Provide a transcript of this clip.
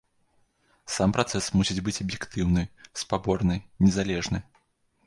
Сам працэс мусіць быць аб'ектыўны, спаборны, незалежны.